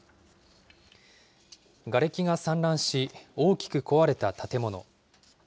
がれきが散乱し、大きく壊れた建物。